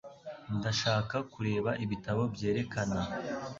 Ndashaka kureba ibitabo byerekana.